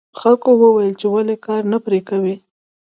خلکو وویل چې ولې کار نه پرې کوې.